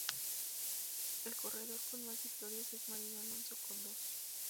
El corredor con más victorias es Marino Alonso, con dos.